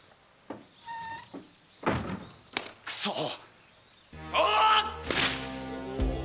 くそっ！